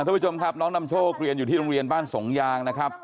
ทุกผู้ชมครับน้องนำโชคเรียนอยู่ที่โรงเรียนบ้านสงยางนะครับ